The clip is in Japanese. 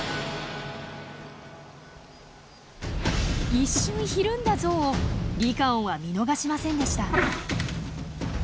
一瞬ひるんだゾウをリカオンは見逃しませんでした。